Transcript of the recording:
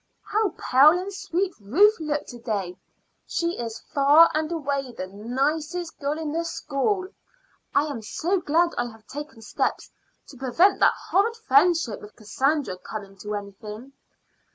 How pale and sweet Ruth looked to day! She is far and away the nicest girl in the school. I am so glad I have taken steps to prevent that horrid friendship with Cassandra coming to anything!